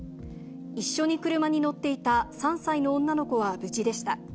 一緒に車に乗っていた３歳の女の子は無事でした。